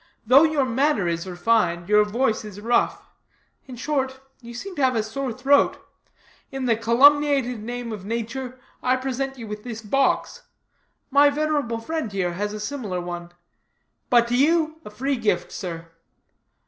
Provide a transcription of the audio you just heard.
Though your manner is refined your voice is rough; in short, you seem to have a sore throat. In the calumniated name of nature, I present you with this box; my venerable friend here has a similar one; but to you, a free gift, sir.